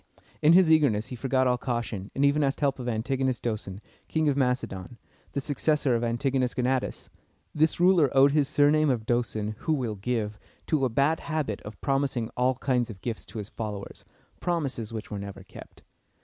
In his eagerness he forgot all caution, and even asked help of Antigonus Do´son, King of Macedon, the successor of Antigonus Gonatas. This ruler owed his surname of Doson ("who will give") to a bad habit of promising all kinds of gifts to his followers, promises which were never kept.